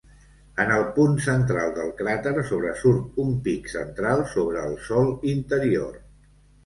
En el punt central del cràter sobresurt un pic central sobre el sòl interior.